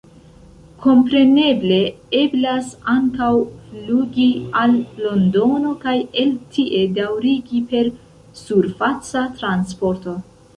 Kompreneble eblas ankaŭ flugi al Londono kaj el tie daŭrigi per surfaca transporto.